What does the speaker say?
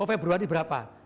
oh februari berapa